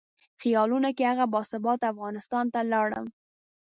خیالونو کې هغه باثباته افغانستان ته لاړم.